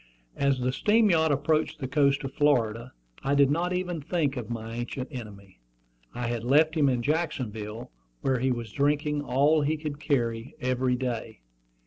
As the steam yacht approached the coast of Florida I did not even think of my ancient enemy. I had left him in Jacksonville, where he was drinking all he could carry, every day.